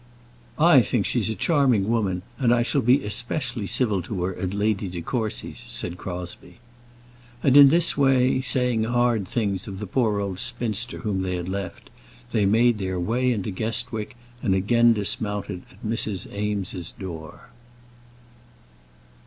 "I think she's a charming woman, and I shall be especially civil to her at Lady De Courcy's," said Crosbie. And in this way, saying hard things of the poor old spinster whom they had left, they made their way into Guestwick, and again dismounted at Mrs. Eames's door.